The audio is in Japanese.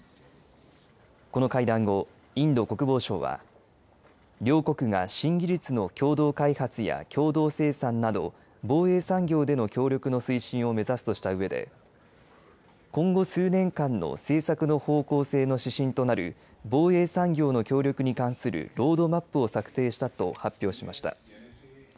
この会談後、インド国防省は両国が新技術の共同開発や共同生産など防衛産業での協力の推進を目指すとしたうえで今後数年間の政策の方向性の指針となる防衛産業の協力に関するロードマップを策定したと発表しました。